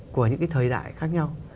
của những cái thời đại khác nhau